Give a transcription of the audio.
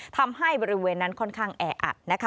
ทำให้บริเวณนั้นค่อนข้างแออัดนะคะ